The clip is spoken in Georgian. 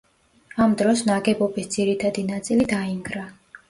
ამ დროს ნაგებობის ძირითადი ნაწილი დაინგრა.